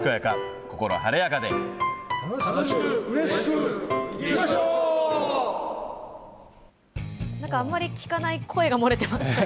楽しく、うれしく、なんか、あんまり聞かない声が漏れてました。